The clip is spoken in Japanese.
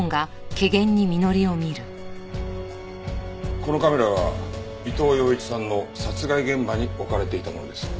このカメラは伊藤洋市さんの殺害現場に置かれていたものです。